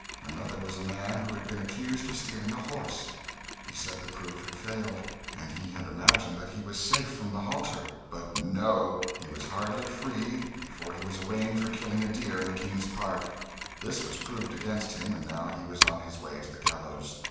Another was a man who had been accused of stealing a horse; he said the proof had failed, and he had imagined that he was safe from the halter; but no he was hardly free before he was arraigned for killing a deer in the King's park; this was proved against him, and now he was on his way to the gallows.